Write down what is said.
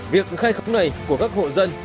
việc khai khắc này của các hộ dân